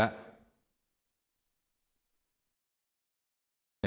ngecekkan di lapangan